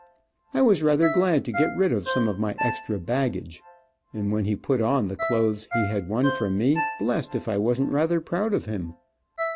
I was rather glad to get rid of some of my extra baggage, and when he put on the clothes he had won from me, blessed if I wasn t rather proud of him.